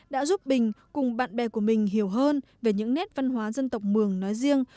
đã giúp bình cùng bạn bè của mình hiểu hơn về những nét văn hóa dân tộc mường nói riêng